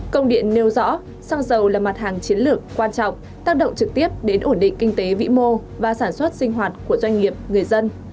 công điện nêu rõ xăng dầu là mặt hàng chiến lược quan trọng tác động trực tiếp đến ổn định kinh tế vĩ mô và sản xuất sinh hoạt của doanh nghiệp người dân